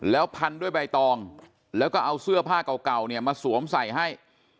แล้วพันด้วยใบตองแล้วก็เอาเสื้อผ้าเก่าเนี่ยมาสวมใส่ให้